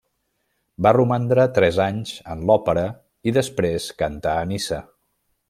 Va romandre tres anys en l'Òpera i després cantà a Niça.